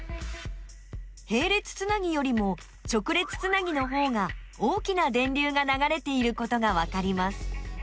へい列つなぎよりも直列つなぎのほうが大きな電流がながれていることがわかります。